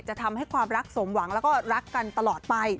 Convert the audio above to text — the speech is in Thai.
จะทำให้ความรักสมหวังแล้วก็รักกันตลอดไป